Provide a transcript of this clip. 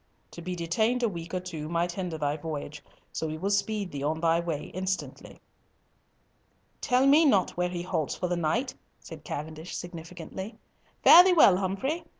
"To be detained a week or two might hinder thy voyage. So we will speed thee on thy way instantly." "Tell me not where he halts for the night," said Cavendish significantly. "Fare thee well, Humfrey.